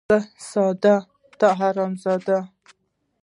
ـ زه ساده ،ته حرام زاده.